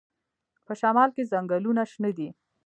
په شمال کې ځنګلونه شنه دي.